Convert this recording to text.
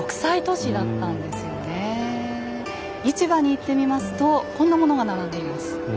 市場に行ってみますとこんなものが並んでいます。